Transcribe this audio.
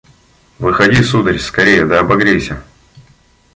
Выходи, сударь, скорее да обогрейся.